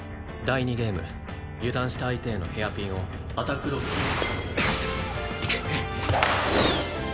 第２ゲーム油断した相手へのヘアピンをアタックロブで。